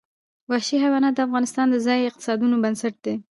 وحشي حیوانات د افغانستان د ځایي اقتصادونو بنسټ دی.